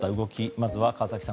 まずは川崎さん